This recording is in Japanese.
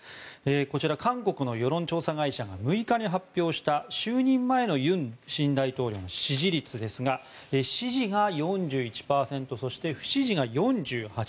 こちら、韓国の世論調査会社が６日に発表した就任前の尹新大統領の支持率ですが支持が４１％そして不支持が４８％。